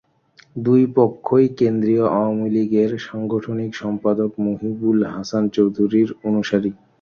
দুই পক্ষই কেন্দ্রীয় আওয়ামী লীগের সাংগঠনিক সম্পাদক মহিবুল হাসান চৌধুরীর অনুসারী।